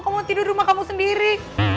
kamu tidur di rumah kamu sendiri